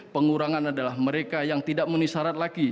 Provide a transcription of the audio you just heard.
pengurangan adalah mereka yang tidak menisarat lagi